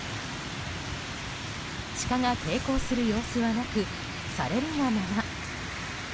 シカが抵抗する様子はなくされるがまま。